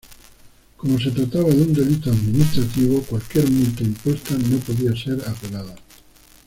Como se trataba de un delito administrativo, cualquier multa impuesta no podía ser apelada.